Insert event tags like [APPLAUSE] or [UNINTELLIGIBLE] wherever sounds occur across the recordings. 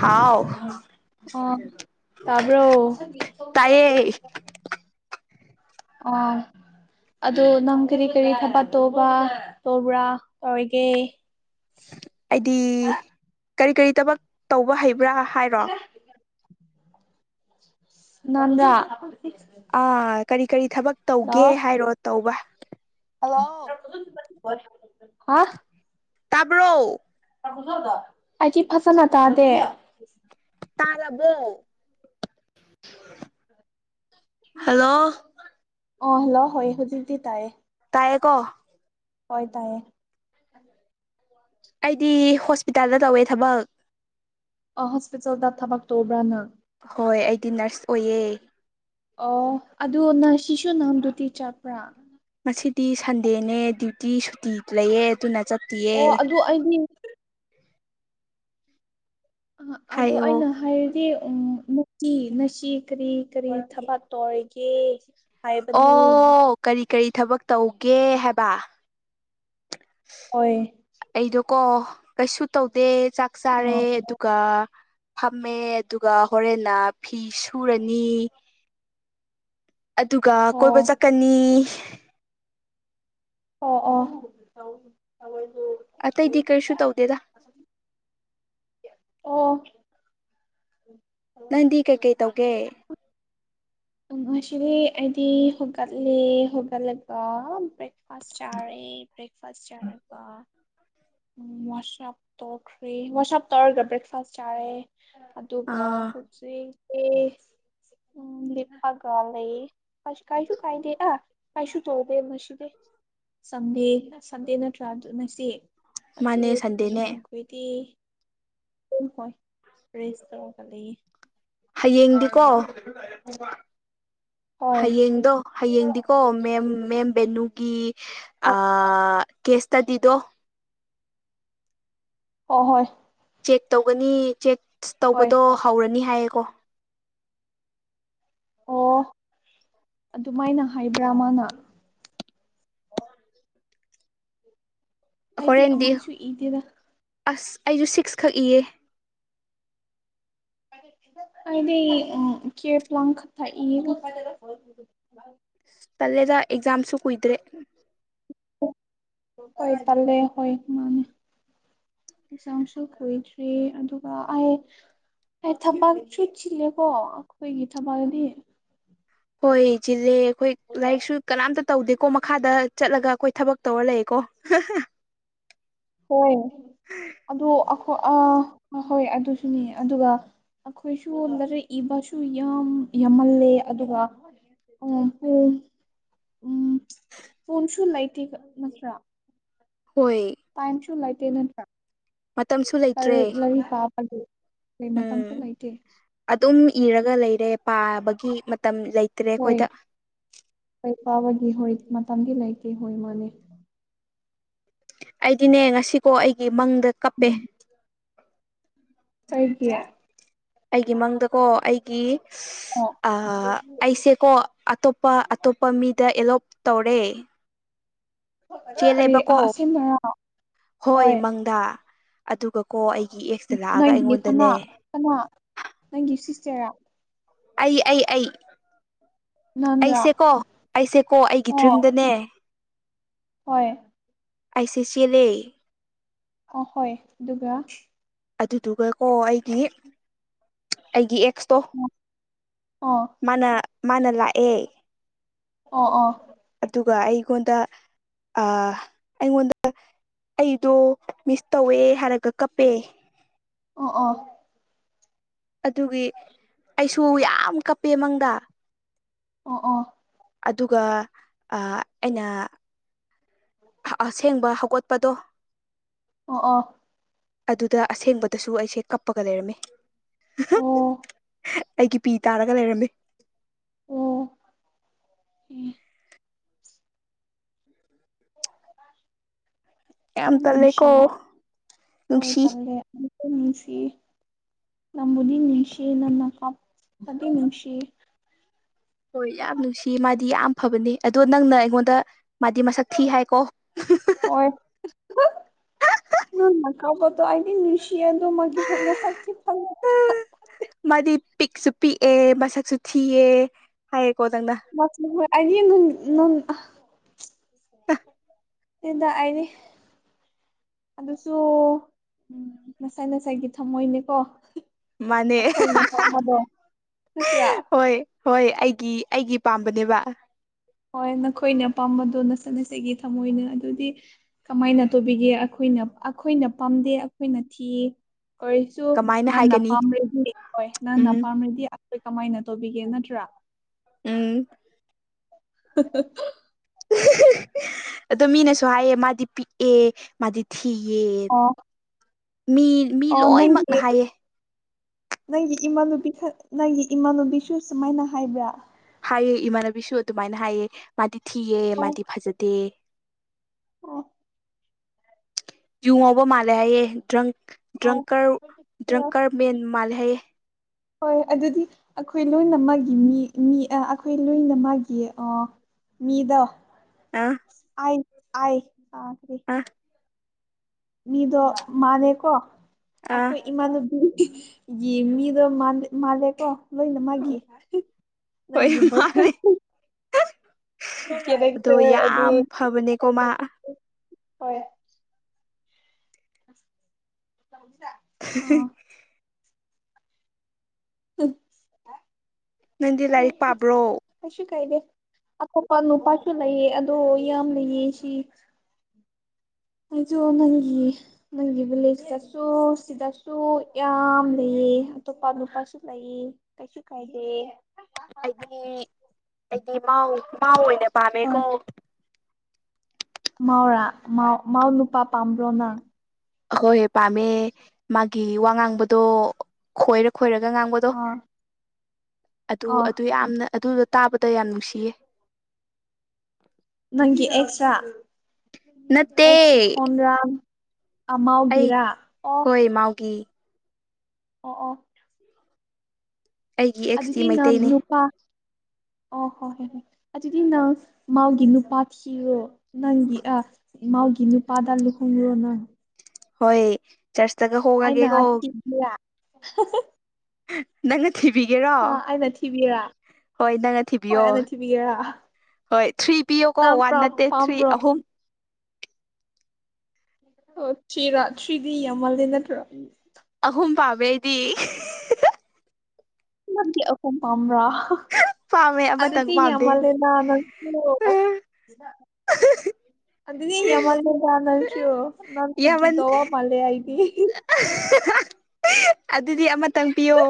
ꯍꯥꯎ ꯑꯣ ꯇꯥꯕ꯭ꯔꯣ ꯇꯥꯏꯌꯦ ꯑ ꯑꯗꯨꯣ ꯅꯪ ꯀꯔꯤ ꯀꯔꯤ ꯊꯕꯥꯛ ꯇꯧꯕꯥ ꯇꯧꯕ꯭ꯔꯥ ꯀꯩꯗꯧꯔꯤꯒꯦ ꯑꯩꯗꯤ ꯀꯔꯤ ꯀꯔꯤ ꯊꯕꯛ ꯇꯧꯕ ꯍꯩꯕ꯭ꯔꯥ ꯍꯥꯏꯔꯣ ꯅꯗ [INAUDIBLE] ꯑꯥ ꯀꯔꯤ ꯀꯔꯤ ꯊꯕꯛ ꯇꯧꯒꯦ ꯍꯥꯏꯔꯣ ꯇꯧꯕ ꯍꯜꯂꯣ ꯍꯥꯥ [INAUDIBLE] ꯇꯥꯕ꯭ꯔꯣ ꯑꯩꯗꯤ ꯐꯖꯅ ꯇꯥꯗꯦ ꯇꯔꯥꯕꯣ ꯍꯜꯂꯣ ꯑꯥ ꯍꯜꯂꯣ ꯍꯣꯢ ꯍꯧꯖꯤꯛꯇꯤ ꯇꯥꯏꯌꯦ ꯍꯥꯏꯀꯣ [INAUDIBLE] ꯍꯣꯏ ꯇꯥꯏꯌꯦ ꯑꯩꯗꯤ ꯍꯣꯁꯄꯤꯇꯥꯜꯗ ꯇꯧꯋꯦ ꯊꯕꯛ ꯍꯣꯁꯄꯤꯇꯥꯜꯗ ꯊꯕꯛ ꯇꯧꯕ꯭ꯔꯥꯅ ꯅꯪ ꯍꯣꯏ ꯑꯩꯗꯤ ꯅꯔꯁ ꯑꯣꯏꯑꯦ ꯑꯣ ꯑꯗꯨ ꯁꯤꯁꯨ ꯅꯪ ꯗꯤꯌꯨꯇꯤ ꯆꯠꯄ꯭ꯔꯥ [INAUDIBLE] ꯉꯁꯤꯗꯤ ꯁꯟꯗꯦꯅꯦ ꯗ꯭ꯌꯨꯇꯤ ꯁꯨꯇꯤ ꯂꯩꯌꯦ ꯑꯗꯨꯅ ꯆꯠꯇꯤꯌꯦ ꯑꯣ ꯑꯗꯨ ꯑꯩꯗꯤ ꯑ ꯑꯗꯨ ꯍꯥꯏꯌꯣ ꯑꯩꯅ ꯍꯥꯏꯔꯗꯤ ꯎꯝ ꯅꯪꯇꯤ ꯉꯁꯤ ꯀꯔꯤ ꯀꯔꯤ ꯊꯕꯛ ꯇꯧꯔꯤꯒꯦ ꯍꯥꯏꯕꯅꯦ ꯑꯣ ꯀꯔꯤ ꯀꯔꯤ ꯊꯕꯛ ꯇꯧꯒꯦ ꯍꯥꯏꯕ ꯑꯣꯏꯣꯏ [INAUDIBLE] ꯀꯣ ꯀꯩꯁꯨ ꯇꯧꯗꯦ ꯆꯥꯛ ꯆꯥꯔꯦ ꯑꯣ ꯑꯗꯨꯒ ꯐꯝꯃꯦ ꯑꯗꯨꯒ ꯍꯣꯔꯦꯟꯅ ꯐꯤ ꯁꯨꯔꯅꯤ ꯑꯗꯨꯒ ꯀꯣꯏꯕ ꯑꯣ ꯆꯠꯀꯅꯤ ꯑꯣ ꯑꯣ ꯑꯇꯩꯗꯤ ꯀꯔꯤꯁꯨ ꯇꯧꯗꯦꯗ ꯑꯣ ꯅꯪꯗꯤ ꯀꯩꯀꯩ ꯇꯧꯒꯦ ꯑ ꯉꯁꯤꯗꯤ ꯑꯩꯗꯤ ꯍꯧꯒꯠꯂꯦ ꯍꯧꯒꯠꯂꯒ ꯕ꯭ꯔꯦꯛꯐꯥꯁ ꯆꯔꯦ ꯕ꯭ꯔꯦꯛꯐꯥꯁꯇ ꯆꯔꯒꯥ ꯎꯝ ꯋꯥꯁꯞ ꯇꯧꯈ꯭ꯔꯤ ꯋꯥꯁꯞ ꯇꯧꯔꯒ ꯕ꯭ꯔꯦꯛꯐꯥꯁ ꯆꯥꯔꯦ ꯑꯗꯨꯒ ꯑꯥ ꯍꯧꯖꯤꯛꯇꯤ ꯒ ꯂꯩ ꯑꯥꯁ ꯀꯥꯏꯁꯨ ꯀꯥꯏꯗꯦ ꯀꯔꯤꯁꯨ ꯇꯧꯗꯦ ꯉꯥꯁꯤꯗꯦ ꯁꯟꯗꯦ ꯁꯟꯗꯦ ꯅꯠꯇ꯭ꯔꯥ ꯑꯗꯨ ꯉꯁꯤ ꯃꯥꯅꯦ ꯑꯗꯨꯒꯤꯅꯤ ꯁꯟꯗꯦꯅꯦ ꯑꯩꯈꯣꯏꯗꯤ ꯔꯦꯁ ꯇꯧꯔꯒꯥ ꯂꯩꯌꯦ [INAUDIBLE] ꯍꯌꯦꯡꯗꯤꯀꯣ ꯍꯣꯏ ꯍꯌꯦꯡꯗꯣ ꯍꯌꯦꯡꯗꯤꯀꯣ ꯃꯦꯝ ꯃꯦꯝ ꯕꯦꯅꯨꯒꯤ ꯑ ꯑꯣ ꯀꯦꯁ ꯁꯇꯥꯗꯤꯗꯣ ꯑꯣ ꯍꯣꯏ ꯆꯦꯛ ꯇꯧꯒꯅꯤ ꯆꯦꯛ ꯍꯣꯏ ꯇꯧꯕꯗꯣ ꯍꯧꯔꯅꯤ ꯍꯥꯏꯌꯦꯀꯣ ꯑꯣ ꯑꯗꯨꯃꯥꯏꯅ ꯍꯥꯏꯕ꯭ꯔꯥ ꯃꯥꯅ ꯑꯣ [INAUDIBLE] ꯑꯩꯗꯤ ꯍꯣꯔꯦꯟꯗꯤ ꯑꯃꯁꯨ ꯏꯗꯦꯗ ꯑꯁ ꯑꯩꯁꯨ ꯁꯤꯛꯁ ꯈꯛ ꯏꯌꯦ ꯑꯩꯗꯤ ꯀꯦ ꯄ ꯂꯥꯡ ꯈ ꯊꯏ ꯄꯂꯦꯗ ꯑꯦꯛꯖꯝꯁꯨ ꯀꯨꯣꯏꯗ꯭ꯔꯦ ꯍꯣꯏ ꯇꯜꯦ ꯍ ꯃꯥꯅꯦ ꯑꯦꯛꯖꯝꯁꯨ ꯀꯨꯏꯗ꯭ꯔꯤ ꯑꯗꯨꯒ ꯑꯩ ꯑꯩ ꯊꯕꯛ ꯆꯨ ꯆꯤꯜꯂꯦꯀꯣ ꯑꯩꯈꯣꯏꯒꯤ ꯊꯕꯜꯗꯤ ꯍꯣꯏ ꯆꯤꯂꯦ ꯑꯩꯈꯣꯏ ꯂꯥꯏꯔꯤꯛꯁꯨ ꯀꯅꯥꯝꯇ ꯇꯧꯗꯦꯀꯣ ꯃꯈꯥꯗ ꯆꯠꯂꯒ ꯑꯩꯈꯣꯏ ꯊꯕꯛ ꯇꯧꯔ ꯂꯩꯌꯦꯀꯣ ꯍꯣꯏ ꯑꯗꯨꯈꯣꯏ ꯍꯣꯏ ꯑꯗꯨꯁꯨꯅꯤ ꯑꯗꯨꯒ ꯑꯩꯈꯣꯏꯁꯨ ꯂꯩꯔꯦ ꯏꯕꯁꯨ ꯌꯥꯝ ꯌꯥꯝꯃꯜꯂꯦ ꯑꯗꯨꯒ ꯑꯣ ꯍ ꯎꯝ ꯐꯟꯁꯨꯨ ꯃꯥꯏꯇ ꯅꯆ꯭ꯔ ꯍꯣꯏ ꯇꯥꯏꯝꯁꯨ ꯂꯩꯇꯦ ꯅꯠꯇ꯭ꯔꯥ ꯃꯇꯝꯁꯨ ꯂꯩꯇ꯭ꯔꯦ ꯂꯔꯤꯥ ꯎꯝ ꯑꯗꯨꯝ ꯏꯔꯒ ꯂꯩꯔꯦ ꯄꯥꯕꯒꯤ ꯃꯇꯝ ꯂꯩꯇ꯭ꯔꯦ ꯑꯩꯈꯣꯏꯗ ꯐꯥꯕꯒꯤ ꯍꯣꯏ ꯃꯇꯝꯗꯤ ꯂꯩꯇꯦ ꯍꯣꯏ ꯃꯥꯅꯦ ꯑꯩꯗꯤꯅꯦ ꯉꯁꯤꯀꯣ ꯑꯩꯒꯤ ꯃꯪꯗ ꯀꯞꯄꯦ ꯀ ꯀꯌꯥ ꯑꯩꯒꯤ ꯃꯪꯗꯀꯣ ꯑꯩꯒꯤ ꯑꯣ ꯑꯩꯁꯦꯀꯣ ꯑꯇꯣꯞꯄ ꯑꯇꯣꯞꯄ ꯃꯤꯗ ꯑꯦꯂꯣꯞ ꯇꯧꯔꯦ ꯀꯔꯤ ꯆꯦꯜꯂꯦꯕꯀꯣ ꯑꯥ ꯑꯁꯦꯡꯕꯔꯥ ꯍꯣꯏ ꯃꯪꯗ ꯑꯗꯨꯒꯀꯣ ꯑꯩ ꯅꯪꯒꯤ ꯀꯅꯥ ꯀꯅꯥ ꯅꯪꯒꯤ ꯁꯤꯁꯇꯔ ꯑꯩ ꯑꯩ ꯑꯩ ꯅꯪꯔꯥ ꯑꯩꯁꯦꯀꯣ ꯑꯩꯁꯦꯀꯣ ꯑꯩꯒꯤ ꯑꯣ ꯗ꯭ꯔꯤꯝꯗꯅꯦ ꯍꯣꯏ ꯑꯥꯏ ꯁꯤ ꯁꯤ ꯑꯦꯂ ꯑꯦ ꯑ ꯍꯣꯏ ꯑꯗꯨꯒ ꯑꯗꯨꯗꯨꯒ ꯀꯣ ꯑꯩꯒꯤ ꯑꯩꯒꯤ ꯑꯦ ꯇꯣ ꯑꯣ ꯃꯥꯅ ꯃꯥꯅ ꯂꯥꯛꯑꯦ ꯑꯣ ꯑꯣ ꯗꯨꯒ ꯑꯩꯉꯣꯟꯗ ꯑ ꯑꯩꯉꯣꯟꯗ ꯑꯩꯗꯣ ꯃꯤꯁ ꯇꯧꯋꯦ ꯍꯥꯏꯔꯒ ꯀꯞꯄꯦ ꯑꯣ ꯑ ꯑꯗꯨꯒꯤ ꯑꯩꯁꯨ ꯌꯥꯝ ꯀꯞꯄꯦ ꯃꯪꯗ ꯑ ꯑ ꯑꯗꯨꯒ ꯑꯩꯅ ꯑꯁꯦꯡꯕ ꯍꯧꯒꯠꯄꯗꯣ ꯑꯣ ꯑ ꯑꯗꯨꯗ ꯑꯁꯦꯡꯕꯗꯁꯨ ꯑꯩꯁꯦ ꯀꯞꯄꯒ ꯂꯩꯔꯝꯃꯤ ꯑꯣ ꯑꯩꯒꯤ ꯄꯤ ꯇꯥꯔꯒ ꯂꯩꯔꯝꯃꯤ ꯑꯣ ꯌꯥꯝ ꯇꯜꯂꯦꯀꯣ ꯅꯨꯡꯁꯤ ꯎꯁꯤ ꯅꯝꯕꯨꯗꯤꯤ ꯅꯤꯡꯅꯨꯡꯁꯤ ꯅꯪꯅ ꯀꯞꯄꯥꯗꯤ ꯅꯨꯡꯁꯤ ꯍꯣꯏ ꯌꯥꯝ ꯅꯨꯡꯁꯤ ꯃꯥꯗꯤ ꯌꯥꯝ ꯐꯕꯅꯤ ꯑꯗꯣ ꯅꯪꯅ ꯑꯩꯉꯣꯟꯗ ꯃꯥꯗꯤ ꯃꯁꯛ ꯊꯤ ꯍꯥꯏꯀꯣ ꯍꯣꯏ ꯑꯗꯤ ꯃꯤꯁꯤ ꯌꯥꯗꯣ ꯃꯥꯒꯤ ꯐꯅ ꯆ ꯊ ꯐ ꯃꯥꯗꯤ ꯄꯤꯛꯁꯨ ꯄꯤꯛꯑꯦ ꯃꯁꯛꯁꯨ ꯊꯤꯑꯦ ꯍꯥꯏ ꯃꯁꯣꯏ ꯑꯅꯤ [UNINTELLIGIBLE] ꯌꯦꯗ ꯑꯅꯤ ꯑꯗꯨꯁꯨ ꯎꯝ ꯉꯁꯥꯏ ꯉꯁꯥꯏꯒꯤ ꯊꯝꯃꯣꯏꯅꯦꯀꯣ ꯃꯥꯅꯦ ꯅꯠꯇ꯭ꯔꯥ ꯍꯣꯏ ꯍꯣꯏ ꯑꯩꯒꯤ ꯑꯩꯒꯤ ꯄꯥꯝꯕꯅꯦꯕ ꯍꯣꯏ ꯅꯈꯣꯏꯅ ꯑꯄꯥꯝꯕꯗꯣ ꯅꯆꯠꯅꯆꯒꯤ ꯊꯝꯃꯣꯏꯅ ꯑꯗꯨꯗꯤ ꯀꯃꯥꯏꯅ ꯇꯧꯕꯤꯒꯦ ꯑꯩꯈꯣꯏꯅ ꯑꯩꯈꯣꯏꯅ ꯄꯥꯝꯗꯦ ꯑꯩꯈꯣꯏꯅ ꯊꯤꯌꯦ ꯀꯔꯤꯁꯨ ꯀꯃꯥꯏꯅ ꯅꯟꯅ ꯍꯥꯏꯒꯅꯤ ꯄꯥꯝꯔꯗꯤ ꯍꯣꯏ ꯅꯟꯅ ꯎꯝ ꯄꯥꯝꯔꯗꯤ ꯑꯩꯈꯣꯏ ꯀꯃꯥꯏꯅ ꯇꯧꯕꯤꯒꯦ ꯅꯠꯇ꯭ꯔꯥ ꯎꯝ [UNINTELLIGIBLE] ꯑꯗꯣ ꯃꯤꯅꯁꯨ ꯍꯥꯏꯌꯦ ꯃꯥꯗꯤ ꯄꯤꯛꯑꯦ ꯃꯥꯗꯤ ꯊꯤ ꯁꯤꯤꯌꯦ ꯑꯣ ꯃꯤ ꯃꯤ ꯑꯣ ꯅꯪꯒꯤ ꯂꯣꯏꯅꯃꯛꯅ ꯍꯥꯏꯌꯦ ꯅꯪꯒꯤ ꯏꯃꯥꯟꯅꯨꯕꯤ ꯅꯪꯒꯤ ꯏꯃꯥꯟꯅꯨꯕꯤꯁꯨ ꯁꯨꯃꯥꯏꯅ ꯍꯥꯏꯕ꯭ꯔꯥ ꯍꯥꯏꯑ ꯏꯃꯥꯟꯅꯕꯤꯁꯨ ꯑꯗꯨꯃꯥꯏꯅ ꯍꯥꯏꯌꯦ ꯃꯥꯗꯤ ꯊꯤꯑ ꯑꯣ ꯃꯥꯗꯤ ꯐꯖꯗꯦ ꯑꯣ ꯌꯨ ꯉꯥꯎꯕ ꯃꯥꯜꯂꯦ ꯍꯥꯏꯌꯦꯦ ꯗ꯭ꯔꯪ ꯗ꯭ꯔꯪꯀꯔ ꯑꯣ ꯗ꯭ꯔꯪꯀꯔ ꯃꯦꯟ ꯃꯥꯂꯦ ꯍꯥꯏꯌꯦ ꯍꯣꯏ ꯑꯗꯨꯗꯤ ꯑꯩꯈꯣꯏ ꯂꯣꯏꯅ ꯃꯥꯒꯤ ꯃꯤ ꯃꯤ ꯑꯩꯈꯣꯏ ꯂꯣꯏꯅ ꯃꯥꯒꯤ ꯑ ꯃꯤꯗꯥ ꯑ ꯑ ꯑ ꯀꯔꯤ ꯑ ꯃꯤꯗꯣ ꯃꯥꯅꯦꯀꯣ ꯑ ꯑꯩꯈꯣꯏ ꯏꯃꯥꯟꯅꯨꯕꯤ ꯌꯦ ꯃꯤꯗꯣ ꯃꯥ ꯃꯥꯂꯦꯀꯣ ꯂꯣꯏꯅ ꯃꯥꯒꯤ ꯍꯥꯏ ꯍꯣꯏ ꯅꯪꯒꯤ ꯕꯣꯏ ꯐ꯭ꯔꯦꯟ ꯃꯥꯜꯂꯦ ꯑꯗꯣ ꯑꯗꯨ ꯌꯥꯝ ꯐꯕꯅꯦꯀꯣ ꯃꯥ ꯍꯣꯏ [UNINTELLIGIBLE] ꯑꯥ [UNINTELLIGIBLE] ꯎꯝ ꯅꯪꯗꯤ ꯂꯥꯏꯔꯤꯛ ꯄꯥꯕ꯭ꯔꯣ ꯀꯩꯁꯨ ꯀꯥꯏꯗꯦ ꯑꯇꯣꯞꯄ ꯅꯨꯄꯥꯁꯨ ꯂꯩꯌꯦ ꯑꯗꯣ ꯌꯥꯝ ꯂꯩꯌꯦ ꯁꯤ ꯑꯩꯁꯨ ꯅꯪꯒꯤ ꯅꯪꯒꯤ ꯚꯤꯂꯦꯖꯇꯁꯨ ꯁꯤꯗꯁꯨ ꯌꯥꯝ ꯂꯩ ꯑꯇꯣꯞꯄ ꯅꯨꯄꯥꯁꯨ ꯂꯩ ꯀꯩꯁꯨ ꯀꯥꯏꯗꯦ ꯑꯩꯗꯤ ꯑꯩꯗꯤ ꯃꯥꯎ ꯃꯥꯎ ꯑꯣꯏꯅ ꯍꯣꯏ ꯄꯥꯝꯃꯦꯀꯣ ꯃꯥꯎꯔꯥ ꯃꯥꯎ ꯃꯥꯎ ꯅꯨꯄꯥ ꯄꯥꯝꯕ꯭ꯔꯣ ꯅꯪ ꯍꯣꯏ ꯄꯥꯝꯃꯦ ꯃꯥꯒꯤ ꯋꯥ ꯉꯥꯡꯕꯗꯣ ꯈꯣꯏꯔꯛ ꯈꯣꯏꯔꯒ ꯉꯥꯡꯕꯗꯣ ꯑꯥ ꯑꯗꯨ ꯑꯣ ꯑꯗꯨ ꯌꯥꯝꯅ ꯑꯗꯨꯗ ꯇꯥꯕꯗ ꯌꯥꯝ ꯅꯨꯡꯁꯤꯌꯦ ꯅꯪꯒꯤ ꯑꯦꯛꯁ꯭ꯔꯥ ꯅꯠꯇꯦ ꯑꯦꯛꯁ ꯁꯤꯈꯣꯟꯟ꯭ꯔꯥ ꯑꯩ ꯑꯥꯎꯒꯤꯦꯔꯥ ꯑꯣ ꯍꯣꯏ ꯃꯥꯎꯒꯤ ꯑꯣ ꯑꯣ ꯑꯩꯒꯤ ꯑꯦꯛꯁꯇꯤ ꯑꯗꯨꯇꯤ ꯅ ꯃꯩꯇꯩꯅꯤ ꯅꯨꯄꯥ ꯑꯣ ꯍꯣꯏ ꯍꯣꯏ ꯍꯣꯏ ꯑꯗꯨꯗꯤ ꯅꯪ ꯃꯥꯒꯤ ꯅꯨꯄꯥ ꯊꯤꯔꯣ ꯅꯪꯒꯤ ꯑ ꯍꯥꯎꯒꯤ ꯅꯨꯄꯥꯗ ꯂꯨ ꯈꯣꯡꯂꯣꯅ ꯍꯣꯏ ꯆꯔꯆ ꯇꯒ ꯍꯣꯒꯦꯒ [UNINTELLIGIBLE] ꯅꯪ ꯊꯤꯕꯤꯒꯦꯔꯣ ꯑ ꯑꯩꯅ ꯊꯤꯕꯤꯔꯥ ꯍꯣꯏ ꯅꯪꯅ ꯍꯣꯏ ꯊꯤꯕꯤꯌꯣ ꯑꯩꯅ ꯊꯤꯕꯤꯒꯦꯔꯥ ꯍꯣꯏ ꯊ꯭ꯔꯤ ꯄꯤꯌꯣꯀꯣ ꯅꯪ ꯋꯥꯟ ꯄꯥꯝ ꯅꯠꯇꯦ ꯊ꯭ꯔꯤ ꯄꯥꯝꯕ꯭ꯔꯣ ꯑꯍꯨꯝ ꯑꯣ ꯁꯤ ꯔꯥ ꯊ꯭ꯔꯤꯗꯤ ꯌꯥꯝꯃꯜꯗꯤ ꯅꯠꯇ꯭ꯔꯣ ꯑꯍꯨꯝ ꯄꯥꯝꯃꯦ ꯑꯩꯗꯤ ꯗꯤ ꯑꯣꯄ ꯄꯥꯝꯕ꯭ꯔꯥ ꯄꯥꯝꯃꯦ ꯑꯃꯇꯪ ꯑꯗꯨꯗꯤ ꯄꯥꯝꯗꯦ ꯌꯥꯝꯃꯜꯂꯦꯅ ꯅꯪꯁꯨ ꯑꯗꯨꯗ ꯅ ꯍꯃꯜꯗꯅꯟꯁꯤꯣ ꯅꯪ ꯌꯥꯝꯃꯟ ꯍꯒꯗꯣ ꯋꯥ ꯃꯂꯦ ꯍꯥꯏ [UNINTELLIGIBLE] ꯑꯗꯨꯗꯤ ꯑꯃꯇꯪ ꯄꯤꯌꯣ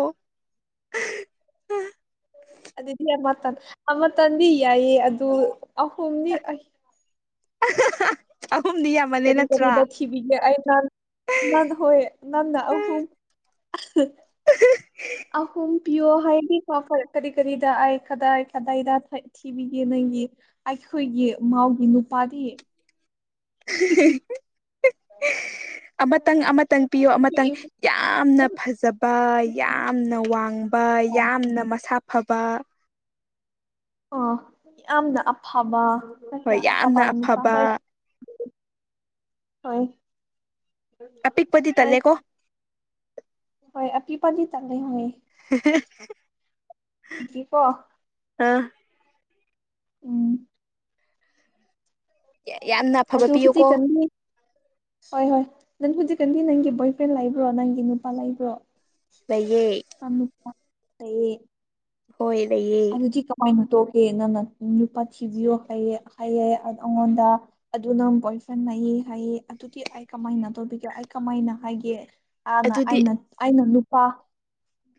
ꯑꯗꯨꯗꯤ ꯑꯃꯇꯥꯟ ꯑꯃꯇꯥꯟꯗꯤ ꯌꯥꯏꯌꯦꯦ ꯑꯗꯨ ꯑꯍꯨꯝꯗꯤ ꯑ [UNINTELLIGIBLE] ꯀꯔꯤ ꯀꯔꯤ ꯅꯠꯇ꯭ꯔꯥ ꯅꯊꯕꯒꯦ ꯑ ꯅ ꯅꯅ ꯑꯍꯨꯝ [UNINTELLIGIBLE] ꯑꯍꯨꯝ ꯄꯤꯌꯣ ꯍꯥꯏꯗꯤꯀꯣ ꯀꯔꯤ ꯀꯔꯤꯗ ꯑꯩꯥꯏ ꯀꯗꯥꯏ ꯀꯗꯥꯏꯗ ꯊꯤꯕꯤꯒꯦ ꯅꯪꯒꯤ ꯑꯩꯈꯣꯏꯒꯤ ꯃꯥꯎꯒꯤ ꯅꯨꯄꯥꯗꯤ [UNINTELLIGIBLE] ꯑꯃꯇꯪ ꯑꯃꯇꯪ ꯄꯤꯌꯣ ꯑꯃꯇꯪ ꯌꯥꯝꯅ ꯐꯖꯕ ꯌꯥꯝ ꯌꯥꯝꯅ ꯋꯥꯡꯕ ꯌꯥꯝꯅ ꯃꯁꯥ ꯐꯕ ꯑꯣ ꯌꯥꯝꯅ ꯑꯐꯕ ꯍꯣꯏ ꯅꯠꯇ꯭ꯔ ꯑꯐꯕ ꯌꯥꯝꯅ ꯅꯨꯄꯥ ꯍꯣꯏ ꯑꯐꯕ ꯍꯣꯏ ꯑꯄꯤꯛꯄꯗꯤ ꯍꯣꯏ ꯇꯜꯂꯦꯀꯣ ꯍꯣꯏ ꯑꯄꯤꯛꯄꯗꯤ ꯇꯜꯂꯦꯅꯦ [UNINTELLIGIBLE] ꯖꯤꯄꯣ ꯑꯥ ꯎꯝ ꯌꯥꯝꯅ ꯑꯐꯕ ꯑꯗꯣ ꯄꯤꯌꯨꯀꯣ ꯍꯧꯖꯤꯛꯀꯥꯟꯗꯤ ꯍꯣꯏ ꯍꯣꯏ ꯅꯪ ꯍꯧꯖꯤꯛꯀꯥꯟꯗꯤ ꯅꯪꯒꯤ ꯕꯣꯏ ꯐ꯭ꯔꯦꯟ ꯂꯩꯕ꯭ꯔꯣ ꯅꯪꯒꯤ ꯅꯨꯄꯥ ꯂꯩꯕ꯭ꯔꯣ ꯂꯩꯌꯦ ꯅꯨꯄꯥ ꯂꯩꯌꯦ ꯍꯣꯏ ꯂꯩꯌꯦ ꯑꯗꯨꯗꯤ ꯀꯃꯥꯏꯅ ꯇꯣꯛꯀꯦ ꯅꯪꯅ ꯅꯨꯄꯥ ꯊꯤꯕꯤꯌꯣ ꯍꯥꯏꯌꯦ ꯍꯥꯏꯌꯦ ꯑꯩꯉꯣꯟꯗ ꯑꯗꯨ ꯅꯪ ꯕꯣꯏ ꯐ꯭ꯔꯦꯟ ꯍꯥꯏꯑꯦ ꯍꯥꯏꯑꯦ ꯑꯗꯨꯗꯤ ꯑꯩ ꯀꯃꯥꯏꯅ ꯇꯧꯕꯤꯒꯦ ꯑꯩ ꯀꯃꯥꯏꯅ ꯍꯥꯏꯒꯦ ꯑꯅ ꯑꯗꯨꯗꯤ ꯑꯩꯅ ꯑꯩꯅ ꯅꯨꯄꯥ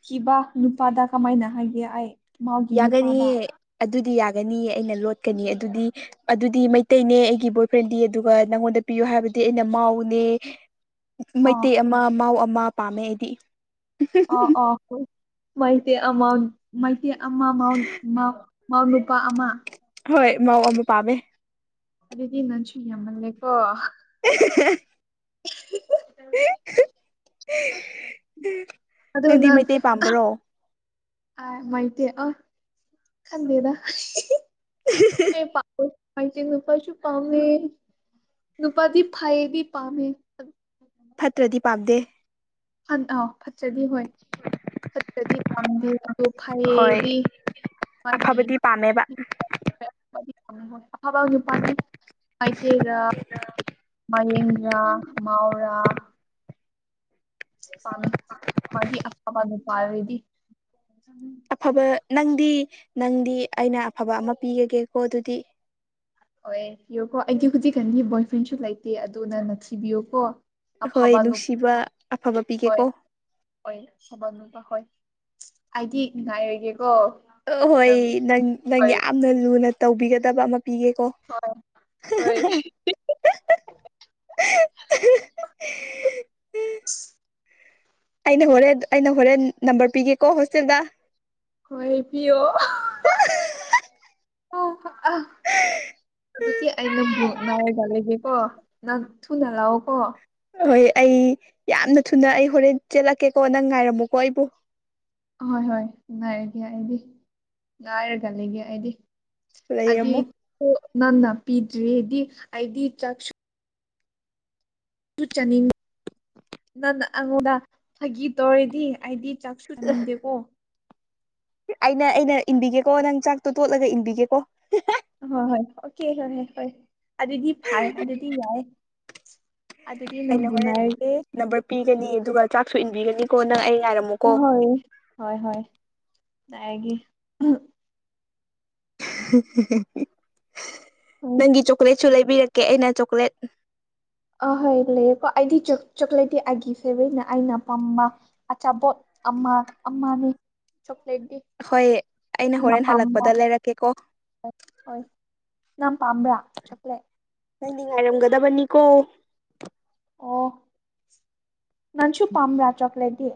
ꯀꯤꯕ ꯅꯨꯄꯥꯗ ꯀꯃꯥꯏꯅ ꯍꯥꯏꯒꯦ ꯑꯩ ꯃꯥꯎꯒꯤ ꯅꯨꯄꯥꯗ ꯌꯥꯒꯅꯤꯌꯦ ꯑꯗꯨꯗꯤ ꯌꯥꯒꯅꯤ ꯑꯩꯅ ꯂꯣꯠꯀꯅꯤ ꯑꯗꯨꯗꯤ ꯑꯗꯨꯗꯤ ꯃꯩꯇꯩꯅꯦ ꯑꯩꯒꯤ ꯕꯣꯏ ꯐ꯭ꯔꯦꯟꯗꯤ ꯑꯗꯨꯒ ꯅꯪꯉꯣꯟꯗ ꯆꯠꯄꯤꯌꯨ ꯍꯥꯏꯕꯗꯤ ꯑꯩꯅ ꯃꯥꯎꯅꯦ ꯑꯣ ꯃꯩꯇꯩ ꯑꯃ ꯃꯥꯎ ꯑꯃ ꯄꯥꯝꯃꯦ ꯑꯩꯗꯤ ꯑ ꯑ ꯍꯣꯏ ꯃꯩꯇꯩ ꯑꯃ ꯃꯩꯇꯩ ꯑꯃ ꯃꯥꯎ ꯃꯥꯎ ꯃꯥꯎ ꯅꯨꯄꯥ ꯑꯃ ꯍꯣꯏ ꯃꯥꯎ ꯑꯃ ꯄꯥꯝꯃꯦ ꯑꯗꯨꯗꯤ ꯅꯪꯁꯨ ꯌꯥꯝꯃꯜꯂꯦꯀꯣ [UNINTELLIGIBLE] [UNINTELLIGIBLE] ꯑꯗꯣ ꯅꯪꯗꯤ ꯅꯪ ꯃꯩꯇꯩ ꯄꯥꯝꯕ꯭ꯔꯣ ꯑ ꯃꯥꯏꯇ ꯑꯣ ꯈꯟꯗꯦꯗ ꯑꯩ ꯄꯥꯝꯕ ꯅꯨꯄꯥꯁꯨꯨ ꯄꯥꯝꯃꯤ ꯅꯨꯄꯥꯗꯤ ꯐꯥꯏꯕꯤ ꯄꯥꯃꯦ ꯐꯠꯇ꯭ꯔꯗꯤ ꯄꯥꯝꯗꯦ ꯑꯥꯎ ꯐꯠꯠꯇꯔꯗꯤ ꯍꯣꯏ ꯐꯠꯇꯔꯗꯤ ꯄꯥꯝꯗꯦꯕ ꯇ ꯍꯣꯏ ꯐꯩꯌꯦꯗꯤ ꯃꯥꯒꯤ ꯑꯐꯕꯗꯤ ꯄꯥꯝꯃꯦꯕ ꯑꯐꯕ ꯅꯨꯄꯥꯗꯤ ꯃꯩꯇꯩꯒ ꯃꯔꯤꯡꯔ ꯃꯥꯎꯔ ꯄꯥꯝꯃꯤ ꯃꯥꯗꯤ ꯑꯐꯕ ꯅꯨꯄꯥꯗꯤ ꯑꯐꯕ ꯅꯪꯗꯤ ꯅꯪꯗꯤ ꯑꯩꯅ ꯑꯐꯕ ꯑꯃ ꯄꯤꯔꯒꯦꯀꯣ ꯑꯗꯨꯗꯤ ꯑꯣ ꯏꯤꯌꯣꯀꯣ ꯑꯩꯒꯤ ꯍꯧꯖꯤꯛꯀꯥꯟꯒꯤ ꯕꯣꯏ ꯐ꯭ꯔꯦꯟꯁꯨ ꯂꯩꯇꯦ ꯑꯗꯨꯅ ꯅꯪ ꯊꯤꯕꯤꯌꯨꯀꯣ ꯍꯣꯏ ꯑꯐꯕ ꯅꯨꯄꯥ ꯅꯨꯡꯁꯤꯕ ꯑꯐꯕ ꯍꯣꯏ ꯄꯤꯒꯦꯀꯣ ꯍꯣꯏ ꯑꯐꯕ ꯅꯨꯄꯥ ꯍꯣꯏ ꯑꯩꯗꯤ ꯉꯥꯏꯔꯒꯦ ꯑ ꯍꯣꯏ ꯅꯪ ꯅꯪ ꯍꯣꯏ ꯌꯥꯝꯅ ꯂꯨꯅ ꯇꯧꯕꯤꯒꯗꯕ ꯑꯃ ꯄꯤꯒꯦ ꯀꯣ ꯍꯣꯏ ꯍꯣꯏ [UNINTELLIGIBLE] ꯑꯩꯅ ꯍꯣꯔꯦꯜ ꯑꯩꯅ ꯍꯣꯔꯦꯜ ꯅꯝꯕꯔ ꯄꯤꯒꯦꯀꯣ ꯍꯣꯁꯇꯦꯜꯗ ꯍꯣꯏ ꯄꯤꯌꯣ ꯑꯣ ꯍꯣ ꯑ ꯑꯗꯨꯗꯤ ꯑꯩ ꯅꯪꯕꯨ ꯉꯥꯏꯔꯒ ꯂꯩꯒꯦꯀꯣ ꯅꯪ ꯊꯨꯅ ꯂꯥꯛꯑꯣꯀꯣ ꯍꯣꯏ ꯑꯩ ꯌꯥꯝꯅ ꯊꯨꯅ ꯑꯩ ꯍꯣꯔꯦꯜ ꯆꯦꯜꯂꯛꯀꯦꯀꯣ ꯅꯪ ꯉꯥꯏꯔꯝꯃꯣꯀꯣ ꯑꯩꯕꯨ ꯍꯣꯏ ꯍꯣꯏ ꯉꯥꯏꯔꯒꯦ ꯑꯩꯗꯤ ꯉꯥꯏꯔꯒ ꯂꯩꯒꯦ ꯑꯩꯗꯤ ꯍꯥꯏꯗꯤ ꯂꯩꯔꯝꯃꯣ ꯅꯟꯅ ꯄꯤꯗ꯭ꯔꯤꯗꯤ ꯑꯩꯗꯤ ꯆꯥꯛꯁꯨ ꯆꯅꯤꯡꯉꯤ ꯅꯪꯅ ꯑꯩꯉꯣꯟꯗ ꯐꯥꯒꯤ ꯇꯧꯔꯤꯗꯤ ꯑꯩꯗꯤ ꯆꯥꯛꯁꯨ ꯅꯗꯦꯕꯣ ꯑꯩꯅ ꯑꯩꯅ ꯏꯟꯕꯤꯒꯦꯀꯣ ꯅꯪ ꯆꯥꯛꯇꯣ ꯇꯣꯠꯂꯒ ꯏꯟꯕꯤꯒꯦꯀꯣ ꯍꯣꯏ ꯍꯣꯏ ꯑꯣꯀꯦ ꯍꯣꯏ ꯍꯣꯏ ꯍꯣꯏ ꯑꯗꯨꯗꯤ ꯐꯔꯦ ꯑꯗꯨꯗꯤ ꯌꯥꯏ ꯑꯗꯨꯗꯤ ꯑꯩꯅ ꯅꯪꯕꯨ ꯍꯣꯔꯦꯟ ꯅꯥꯏꯔꯒꯦ ꯅꯝꯕꯔ ꯄꯤꯒꯅꯤ ꯑꯗꯨꯒ ꯆꯥꯛꯁꯨ ꯏꯟꯕꯤꯒꯅꯤꯀꯣ ꯅꯪ ꯑꯩ ꯑ ꯉꯥꯏꯔꯝꯃꯨꯀꯣ ꯍꯣꯏ ꯍꯣꯏ ꯍꯣꯏ ꯉꯔꯒꯤ ꯎꯝ ꯅꯪꯒꯤ ꯆꯣꯀ꯭ꯂꯦꯠꯁꯨ ꯂꯩꯕꯤꯔꯛ ꯀꯦ ꯑꯩꯅ ꯆꯣꯀ꯭ꯂꯦꯠ ꯑꯍꯣꯏ ꯂꯩꯑꯀꯣ ꯑꯩꯗꯤ ꯆꯣꯀ꯭ꯂꯦꯠꯇꯤ ꯑꯩꯒꯤ ꯐꯦꯕꯦꯠꯅ ꯑꯩꯅ ꯄꯥꯝꯕ ꯑꯆꯥꯄꯣꯠ ꯑꯃ ꯑꯝꯃꯅꯤ ꯍꯣꯏ ꯑꯩꯅ ꯍꯣꯔꯦꯟ ꯄꯥꯝꯕ ꯍꯜꯂꯛꯄꯗ ꯂꯩꯔꯛꯀꯦꯀꯣ ꯍꯣꯏ ꯅꯪ ꯄꯥꯝꯕ꯭ꯔꯥ ꯆꯣꯀ꯭ꯂꯦꯠ ꯅꯪꯗꯤ ꯉꯥꯏꯔꯝꯒꯗꯕꯅꯤꯀꯣ ꯑꯣ ꯅꯪꯁꯨ ꯄꯥꯝꯕ꯭ꯔꯥ ꯆꯣꯀꯂꯦꯠꯗꯤ